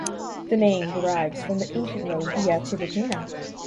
The name derives from the ancient road Via Tiburtina.